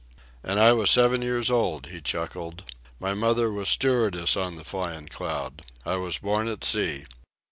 "And I was seven years old," he chuckled. "My mother was stewardess on the Flyin' Cloud. I was born at sea.